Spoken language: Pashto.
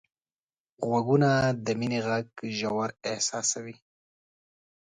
غوږونه د مینې غږ ژور احساسوي